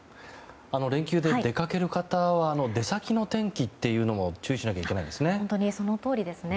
連休で出かける方は出先の天気も注意しなければいけないですね。